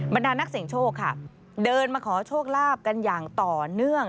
ดานักเสียงโชคค่ะเดินมาขอโชคลาภกันอย่างต่อเนื่อง